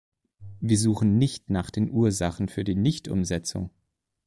Wir suchen nicht nach den Ursachen für die Nichtumsetzung.